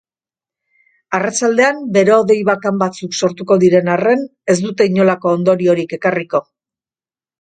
Arratsaldean, bero-hodei bakan batzuk sortuko diren arren ez dute inolako ondoriorik ekarriko.